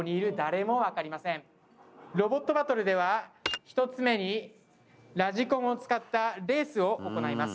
ロボットバトルでは一つ目にラジコンを使ったレースを行います。